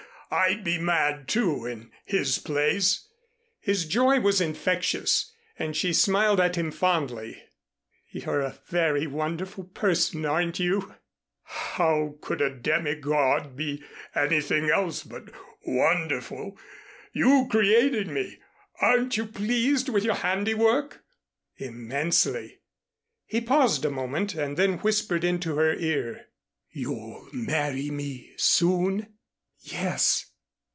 I'd be mad, too, in his place." His joy was infectious, and she smiled at him fondly. "You're a very wonderful person, aren't you?" "How could a demigod be anything else but wonderful? You created me. Aren't you pleased with your handiwork?" "Immensely." He paused a moment and then whispered into her ear. "You'll marry me soon?" "Yes."